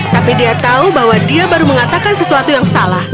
tapi dia tahu bahwa dia baru mengatakan sesuatu yang salah